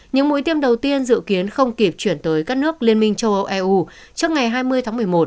những mũi tiêm đầu tiên dự kiến không kịp chuyển tới các nước liên minh châu âu eu trước ngày hai mươi tháng một mươi một